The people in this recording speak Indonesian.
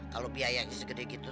kalau biayanya segede gitu